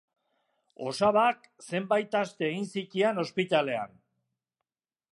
Osabak zenbait aste egin zitian ospitalean.